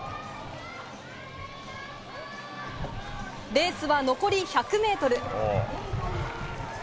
レースは残り１００メートル。